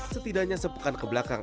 setidaknya sepekan ke belakang